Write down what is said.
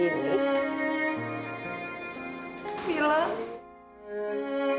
apa rai bisa di limpah seperti itu